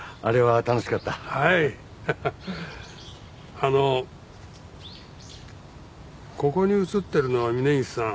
あのここに写っているのは峯岸さん